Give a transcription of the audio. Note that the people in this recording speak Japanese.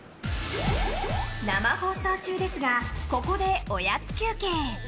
生放送中ですがここでおやつ休憩。